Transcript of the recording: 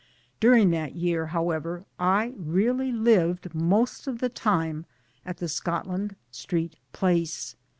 During that year however I really lived most of the time at the Scotland Street place.